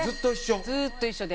ずーっと一緒で。